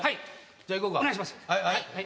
じゃあいこうか。